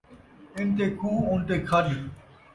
اِنتے کھوہ اُنتے کھݙ